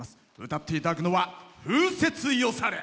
歌っていただくのは「風雪よされ」。